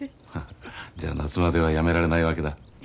ハハじゃあ夏まではやめられないわけだ。